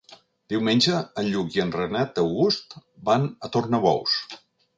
Diumenge en Lluc i en Renat August van a Tornabous.